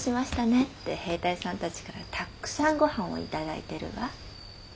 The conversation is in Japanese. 兵隊さんたちからたっくさんごはんを頂いてるわ。